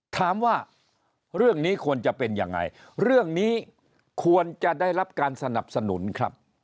ถามว่าเรื่องนี้ควรจะเป็นยังไงเรื่องนี้ควรจะได้รับการสนับสนุนครับ